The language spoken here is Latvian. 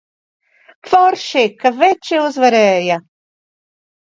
Forši, ka veči uzvarēja!